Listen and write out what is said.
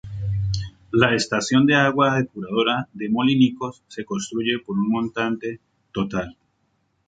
La estación de aguas depuradora de Molinicos se construye por un montante total.